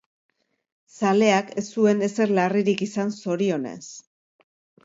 Zaleak ez zuen ezer larririk izan zorionez.